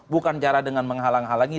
bukan cara dengan menghalang halangi